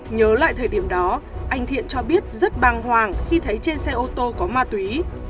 nhớ lại thời điểm đó anh thiện cho biết rất băng hoàng khi thấy trên xe ô tô có ma túy